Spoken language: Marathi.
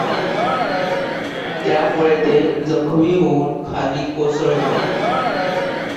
त्यामुळे ते जखमी होऊन खाली कोसळले.